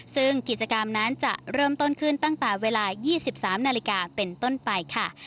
ซึ่งกิจกรรมนั้นจะเริ่มต้นขึ้นตั้งแต่เวลา๒๓นาฬิกาเป็นต้นไปค่ะ